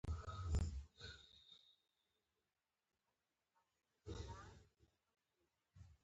پسرلی د کار موسم دی.